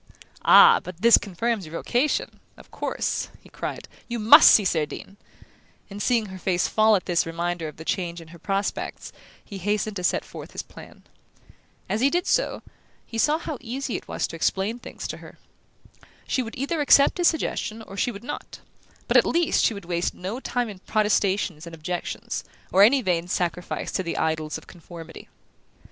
"Ah, but this confirms your vocation of course," he cried, "you must see Cerdine!" and, seeing her face fall at this reminder of the change in her prospects, he hastened to set forth his plan. As he did so, he saw how easy it was to explain things to her. She would either accept his suggestion, or she would not: but at least she would waste no time in protestations and objections, or any vain sacrifice to the idols of conformity.